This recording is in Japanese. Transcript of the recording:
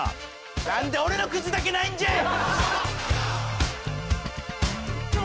何で俺の靴だけないんじゃい！